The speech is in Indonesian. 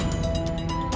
itu makin begitu